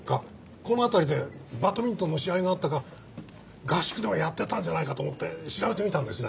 この辺りでバドミントンの試合があったか合宿でもやってたんじゃないかと思って調べてみたんですね。